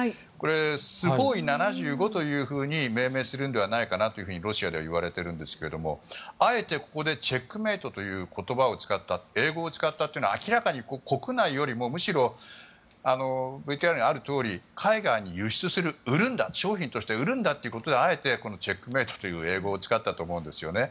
スホーイ７５というふうに命名するのではないかとロシアでは言われてるんですけどあえて、ここでチェックメイトという言葉を使った英語を使ったというのは明らかに国内よりもむしろ、ＶＴＲにあるとおり海外に輸出する商品として売るんだということであえてチェックメイトという英語を使ったと思うんです。